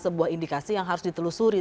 sebuah indikasi yang harus ditelusuri